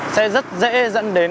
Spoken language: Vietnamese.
sẽ rất dễ dẫn đến